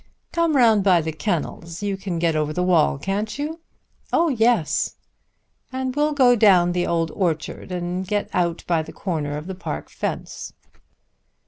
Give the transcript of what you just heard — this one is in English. "Come round by the kennels. You can get over the wall; can't you?" "Oh yes." "And we'll go down the old orchard, and get out by the corner of the park fence."